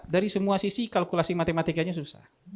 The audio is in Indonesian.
dari semua sisi kalkulasi matematikanya susah